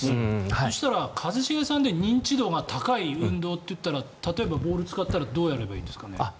そしたら、一茂さんが認知度が高い運動と言ったら例えばボールを使ったらどうやればいいんですかね？